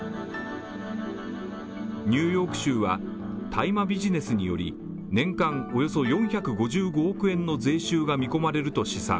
ニューヨーク州は大麻ビジネスにより、年間およそ４５５億円の税収が見込まれると試算。